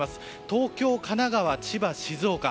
東京、神奈川、千葉、静岡。